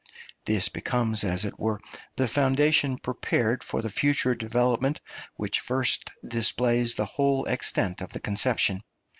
This becomes, as it were, the foundation prepared for the future development which first displays the whole extent of the conception.